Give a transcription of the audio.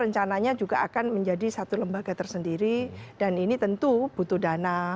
rencananya juga akan menjadi satu lembaga tersendiri dan ini tentu butuh dana